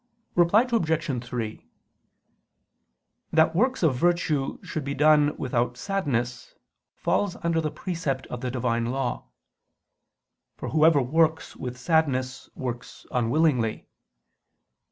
Reply Obj. 3: That works of virtue should be done without sadness, falls under the precept of the Divine law; for whoever works with sadness works unwillingly.